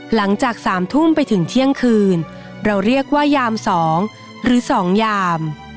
หลังจาก๓ทุ่มไปถึงเที่ยงคืนเราเรียกว่ายาม๒หรือ๒ยาม